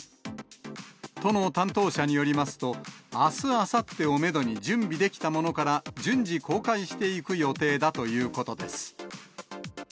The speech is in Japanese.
都の担当者によりますと、あす、あさってをメドに、準備できたものから順次公開していく予定だということです。